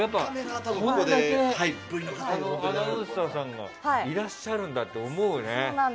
アナウンサーさんがいらっしゃるんだって思うよね。